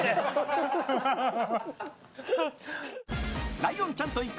ライオンちゃんと行く！